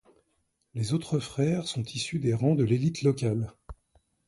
Les autres frères sont issus des rangs de l’élite locale.